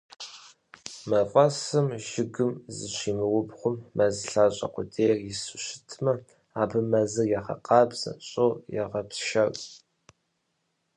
Мафӏэсым жыгым зыщимыубгъуу, мэз лъащӏэ къудейр ису щытмэ, абы мэзыр егъэкъабзэ, щӏыр егъэпшэр.